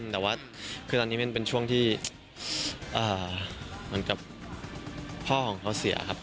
แต่ว่าคือตอนนี้มันเป็นช่วงที่เหมือนกับพ่อของเขาเสียครับ